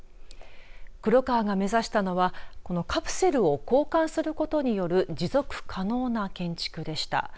黒川が目指したのはこのカプセルを交換することによる持続可能な建築でした。